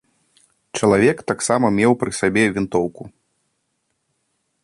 Чалавек таксама меў пры сабе вінтоўку.